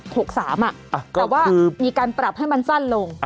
แต่ว่ามีการปรับให้มันสั้นลง